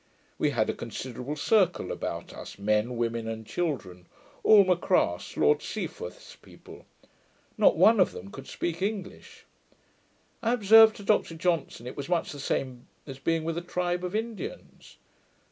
We had a considerable circle about us, men, women and children, all M'Craas, Lord Seaforth's people. Not one of them could speak English. I observed to Dr Johnson, it was much the same as being with a tribe of Indians.